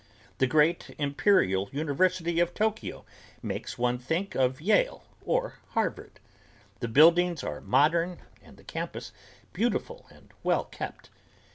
The great Imperial University of Tokyo makes one think of Yale or Harvard. The buildings are modern and the campus beautiful and well kept.